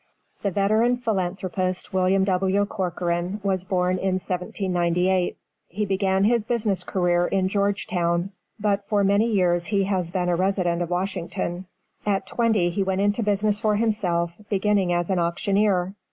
The veteran philanthropist, William W. Corcoran, was born in 1798. He began his business career in Georgetown, but for many years he has been a resident of Washington. At twenty he went into business for himself, beginning as an auctioneer.